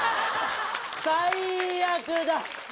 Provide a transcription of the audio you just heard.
最悪だ。